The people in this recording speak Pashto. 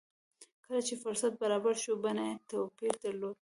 کله چې فرصت برابر شو بڼه يې توپير درلود.